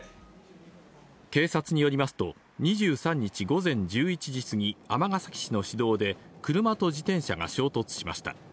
警察によりますと、２３日午前１１時過ぎ、尼崎市の市道で車と自転車が衝突しました。